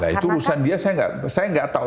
nah itu urusan dia saya nggak tahu